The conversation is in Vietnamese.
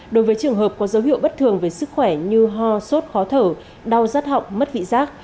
đối với trường hợp có dấu hiệu bất thường về sức khỏe như ho sốt khó thở đau rắt họng mất vị giác